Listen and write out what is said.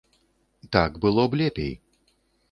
Так было б лепей.